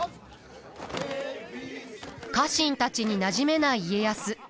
家臣たちになじめない家康。